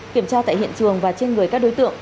kiểm tra tại hiện trường và trên người các đối tượng